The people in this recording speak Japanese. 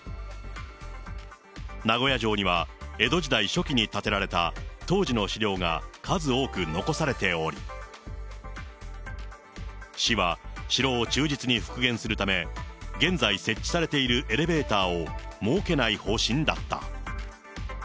名古屋城には江戸時代初期に建てられた当時の資料が数多く残されており、市は城を忠実に復元するため、現在設置されているエレベーターを設けない方針だった。